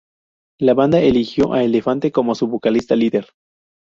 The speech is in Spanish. La banda eligió a Elefante como su vocalista líder.